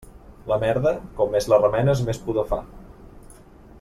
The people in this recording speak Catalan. La merda, com més la remenes, més pudor fa.